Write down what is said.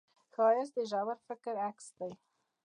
ښایست د ژور فکر عکس دی